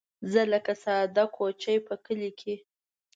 زه لکه ساده کوچۍ په کلي کې